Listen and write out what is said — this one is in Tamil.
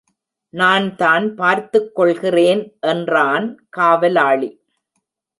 நான்தான் பார்த்துக் கொள்கிறேன் என்றான் காவலாளி.